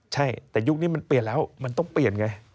ใช่แต่ยุคนี้มันเปลี่ยนแล้วมันต้องเปลี่ยนไง